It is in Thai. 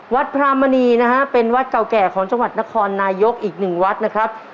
พระมณีนะฮะเป็นวัดเก่าแก่ของจังหวัดนครนายกอีกหนึ่งวัดนะครับ